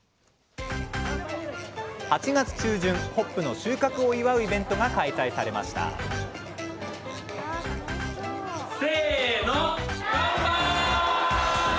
８月中旬ホップの収穫を祝うイベントが開催されましたせの。